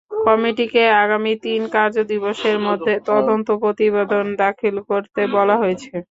কমিটিকে আগামী তিন কার্যদিবসের মধ্যে তদন্ত প্রতিবেদন দাখিল করতে বলা হয়েছে।